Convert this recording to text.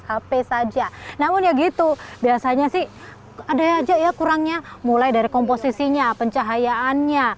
hp saja namun ya gitu biasanya sih ada aja ya kurangnya mulai dari komposisinya pencahayaannya